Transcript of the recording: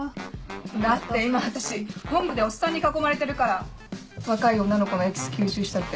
だって今私本部でおっさんに囲まれてるから若い女の子のエキス吸収したくて。